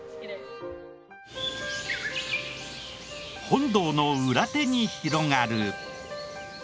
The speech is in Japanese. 本堂の裏手に広がる。